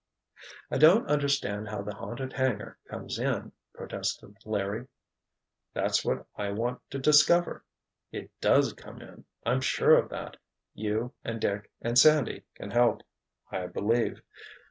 "I don't understand how the haunted hangar comes in," protested Larry. "That's what I want to discover. It does come in—I'm sure of that! You, and Dick and Sandy, can help, I believe.